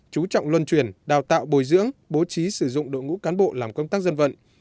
chú trọng luân truyền đào tạo bồi dưỡng bố trí sử dụng đội ngũ cán bộ làm công tác dân vận